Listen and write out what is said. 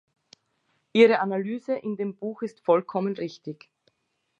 Ihre Analyse in dem Buch ist vollkommen richtig.